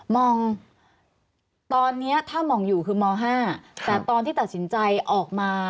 มองตอนนี้ถ้ามองอยู่คือม๕แต่ตอนที่ตัดสินใจออกมา